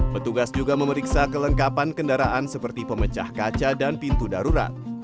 petugas juga memeriksa kelengkapan kendaraan seperti pemecah kaca dan pintu darurat